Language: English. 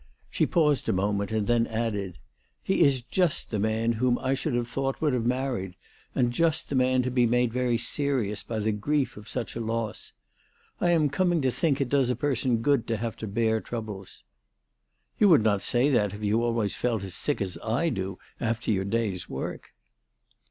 She paused a moment, and then added, " He is just the man whom I should have thought would have married, and just the man to be made very serious by the grief of such a loss. I am coming to think it does a person good to have to bear troubles." " You would not say that if you always felt as sick as I do after your day's work."